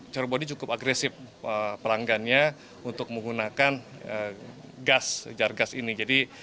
cirebon ini cukup agresif pelanggannya untuk menggunakan gas jar gas ini